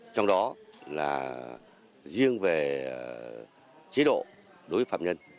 trong đó là riêng về chế độ đối với phạm nhân